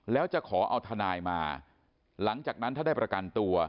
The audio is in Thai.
แล้วจะขอเอาทนายมาหลังจากนั้นถ้าได้ประกันตัว